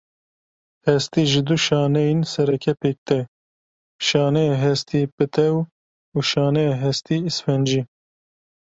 Hestî ji du şaneyên sereke pêk te, şaneya hestiyê pitew û şaneya hestiyê îsfencî.